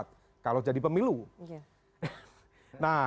ini apa nih kalau jadi pemilu nih